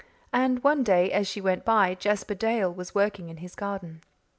And one day, as she went by, Jasper Dale was working in his garden.